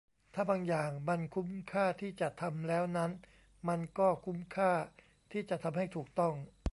ถ้าบางอย่างมันคุ้มค่าที่จะทำแล้วนั้น มันก็คุ้มค่าที่จะทำให้ถูกต้อง